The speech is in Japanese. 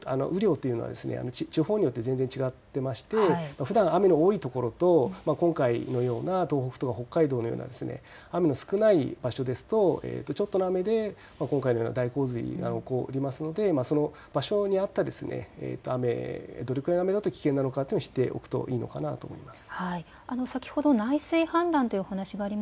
洪水氾濫が発生する雨量というのは地方によって全然違っていましてふだん雨の多い所と今回のような東北とか北海道のような雨の少ない場所ですとちょっとの雨で今回のような大洪水が起こりますので場所に合った、どれくらいの雨だと危険だと知っておくといいと思います。